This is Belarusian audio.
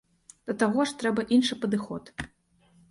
Да таго ж, трэба іншы падыход.